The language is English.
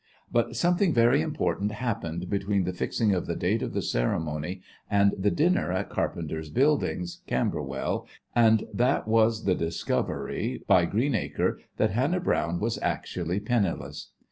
But something very important happened between the fixing of the date of the ceremony and the dinner at Carpenters Buildings, Camberwell, and that was the discovery by Greenacre that Hannah Browne was actually penniless.